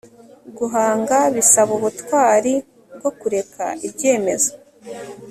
guhanga bisaba ubutwari bwo kureka ibyemezo